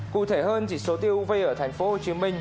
cụ thể hơn chỉ số tia uv ở thành phố hồ chí minh